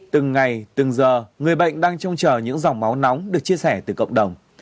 từng ngày từng giờ người bệnh đang trông chờ những dòng máu nóng được chia sẻ từ cộng đồng